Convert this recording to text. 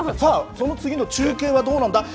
その次、中継はどうなんだ。